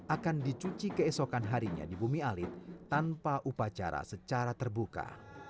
akan dicuci keesokan harinya di bumi alit tanpa upacara secara terbuka